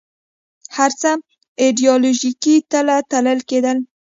هر څه ایدیالوژیکه تله تلل کېدل